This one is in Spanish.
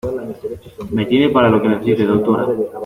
me tiene para lo que necesite, doctora.